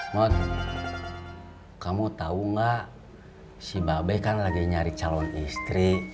mon kamu tahu nggak si babe kan lagi nyari calon istri